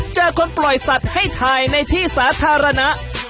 เจอคนปล่อยสัตว์ให้ถ่ายในที่สาธารณะ